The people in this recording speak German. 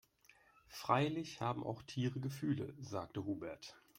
Freilich haben auch Tiere Gefühle, sagt Hubert.